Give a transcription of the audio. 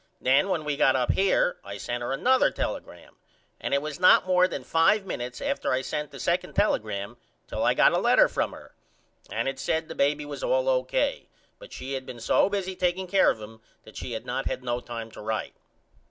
Then when we got up here I sent her another telegram and it was not more then five minutes after I sent the 2d telegram till I got a letter from her. And it said the baby was all O.K. but she had been so busy taking care of him that she had not had no time to write.